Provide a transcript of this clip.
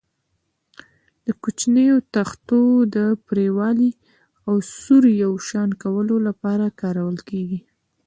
د کوچنیو تختو د پرېړوالي او سور یو شان کولو لپاره کارول کېږي.